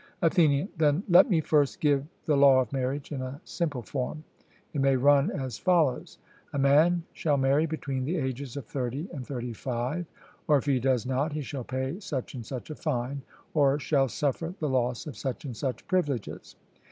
ATHENIAN: Then let me first give the law of marriage in a simple form; it may run as follows: A man shall marry between the ages of thirty and thirty five, or, if he does not, he shall pay such and such a fine, or shall suffer the loss of such and such privileges.